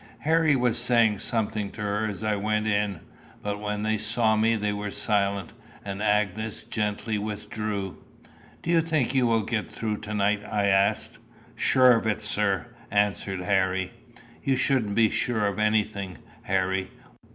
Harry was saying something to her as I went in, but when they saw me they were silent, and Agnes gently withdrew. "Do you think you will get through to night?" I asked. "Sure of it, sir," answered Harry. "You shouldn't be sure of anything, Harry.